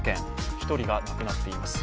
１人が亡くなっています。